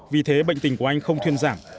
vì thế bệnh tình của anh không thuyên giảm